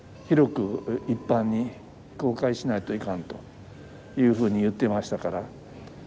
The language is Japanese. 広く一般に公開しないといかんというふうに言っていましたから。